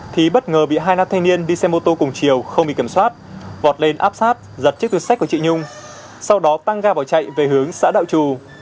thì bất ngờ bị hai nam thanh niên đi xe mô tô cùng chiều không bị kiểm soát vọt lên áp sát giật chiếc túi sách của chị nhung sau đó tăng ga bỏ chạy về hướng xã đạo trù